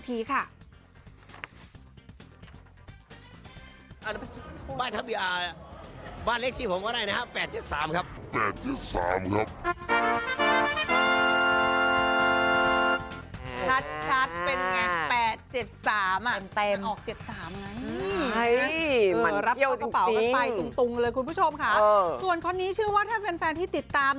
ใช่มันเกี่ยวจริงคุณผู้ชมค่ะส่วนคนนี้ชื่อว่าถ้าแฟนที่ติดตาม